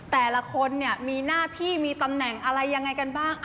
แต่ละคนเนี่ยมีหน้าที่มีตำแหน่งอะไรยังไงกันบ้าง